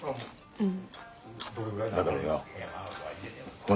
うん。